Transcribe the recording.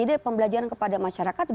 jadi pembelajaran kepada masyarakat